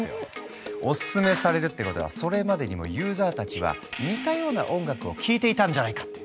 おすすめされるってことはそれまでにもユーザーたちは似たような音楽を聞いていたんじゃないかって。